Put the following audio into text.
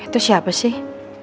itu siapa sih